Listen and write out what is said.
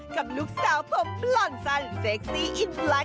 คำลูกสาวผมปล่อนซันเซ็กซี่อินปลาท